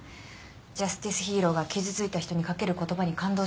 ジャスティスヒーローが傷ついた人にかける言葉に感動しました。